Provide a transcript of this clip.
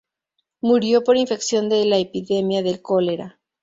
Murió por infección de la epidemia del cólera.